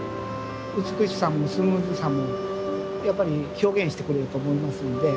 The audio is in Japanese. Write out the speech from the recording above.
美しさもスムーズさもやっぱり表現してくれると思いますんで。